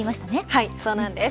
はい、そうなんです。